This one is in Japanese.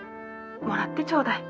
もらってちょうだい。